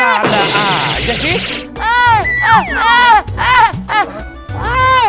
bercanda aja sih